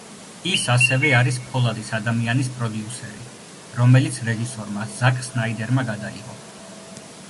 ის ასევე არის „ფოლადის ადამიანის“ პროდიუსერი, რომელიც რეჟისორმა ზაკ სნაიდერმა გადაიღო.